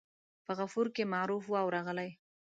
په غفور کې معروف واو راغلی.